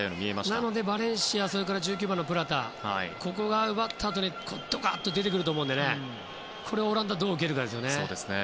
なのでバレンシアとプラタがここが奪ったあとにドカッと出てくると思うのでこれをオランダはどう受けるかですよね。